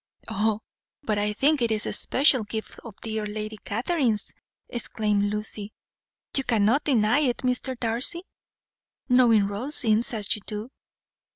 "Oh, but I think it is a special gift of dear Lady Catherine's," exclaimed Lucy. "You cannot deny it, Mr. Darcy, knowing Rosings as you do.